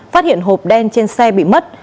phát hiện hộp đen trên xe bị mất